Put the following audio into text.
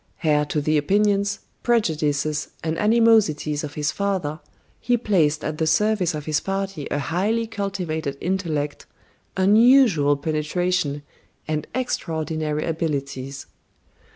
Heir to the opinions, prejudices, and animosities of his father, he placed at the service of his party a highly cultivated intellect, unusual penetration, and extraordinary abilities.